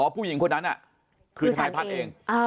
อ๋อผู้หญิงคนนั้นคือธนายภาพเอง